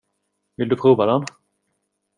Vill du prova den?